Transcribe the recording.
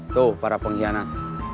tuh para pengkhianat